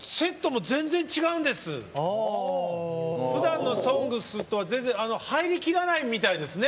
ふだんの「ＳＯＮＧＳ」とは全然入りきらないみたいですね